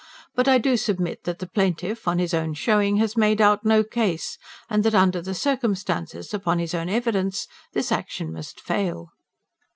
But I do submit that the plaintiff, on his own showing, has made out no case; and that under the circumstances, upon his own evidence, this action must fail."